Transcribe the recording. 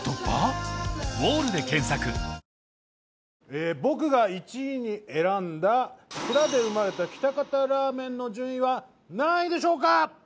えっ僕が１位に選んだ蔵で生まれた喜多方ラーメンの順位は何位でしょうか？